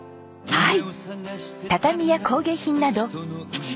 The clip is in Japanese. はい。